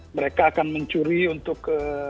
mereka akan mencuri untuk